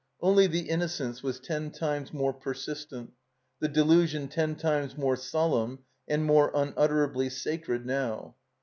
Only the innocence was ten times more per sistent, the deltision ten times more solemn and more unutterably sacred now.